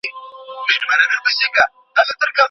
ولسي جرګه به د ځايي ارګانونو پر کارونو څارنه کوي.